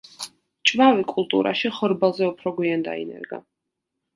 ჭვავი კულტურაში ხორბალზე უფრო გვიან დაინერგა.